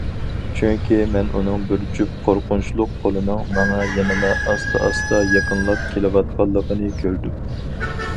چۈنكى مەن ئۇنىڭ بىر جۈپ قورقۇنچلۇق قولىنىڭ ماڭا يەنىلا ئاستا- ئاستا يېقىنلاپ كېلىۋاتقانلىقىنى كۆردۈم.